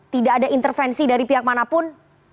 tidak ada intervensi dari pihak manapun